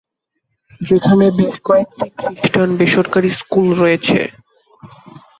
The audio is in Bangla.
যেখানে বেশ কয়েকটি খ্রিস্টান বেসরকারী স্কুল রয়েছে।